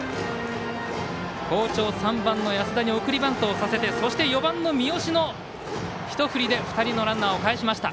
好調３番の安田に送りバントをさせてそして、４番の三好のひと振りで２人のランナーをかえしました。